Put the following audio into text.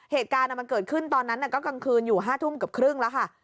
เหตุการณ์มันเกิดขึ้นตอนนั้นก็กลางคืนอยู่๕ทุ่มเกือบครึ่งแล้วค่ะ